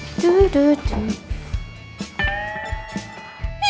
padahal aku udah bagi satu poin